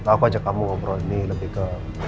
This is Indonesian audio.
aku ajak kamu ngobrol ini lebih ke